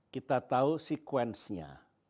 kita tahu sekuensenya